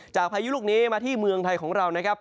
พายุลูกนี้มาที่เมืองไทยของเรานะครับ